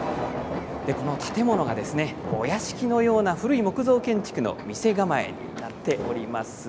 建物が、お屋敷のような古い木造建築の店構えになっています。